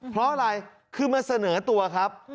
เพราะอะไรคือมาเสนอตัวครับ